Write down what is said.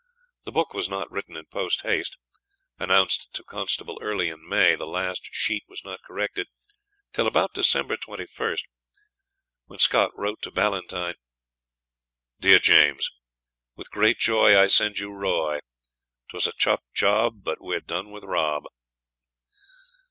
The book was not written in post haste. Announced to Constable early in May, the last sheet was not corrected till about December 21, when Scott wrote to Ballantyne: DEAR JAMES, With great joy I send you Roy. 'T was a tough job, But we're done with Rob.